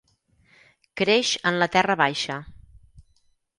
Creix en la terra baixa.